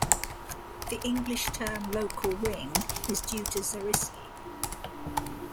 The English term "local ring" is due to Zariski.